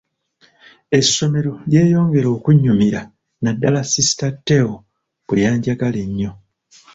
Essomero lyeyongera okunnyumira, naddala sisita Teo bwe yanjagala ennyo.